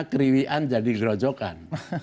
keribian jadi gerojokan